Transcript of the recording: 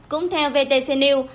cũng theo vtc news